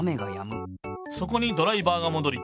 そこにドライバーがもどり。